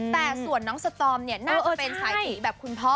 แต่ส่วนน้องสตอมเนี่ยน่าจะเป็นสายสีแบบคุณพ่อ